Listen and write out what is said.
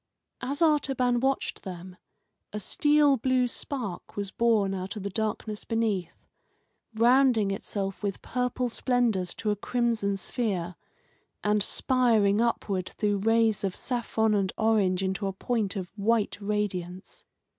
As Artaban watched them, a steel blue spark was born out of the darkness beneath, rounding itself with purple splendours to a crimson sphere, and spiring upward through rays of saffron and orange into a point of white radiance.